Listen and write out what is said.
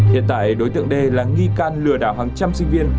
hiện tại đối tượng đê là nghi can lừa đảo hàng trăm sinh viên